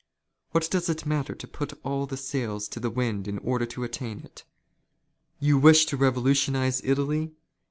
What does it matter " to put all the sails to the wind in order to attain it. You "wish to revolutionize Italy?